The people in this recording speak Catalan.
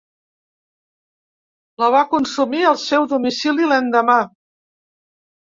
La va consumir al seu domicili l’endemà.